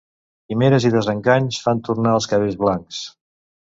Quimeres i desenganys fan tornar els cabells blancs.